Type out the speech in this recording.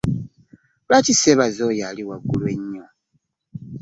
Lwaki ssebaza oyo ali waggulu ennyo?